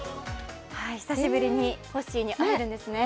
久しぶりにホッシーに会えるんですね。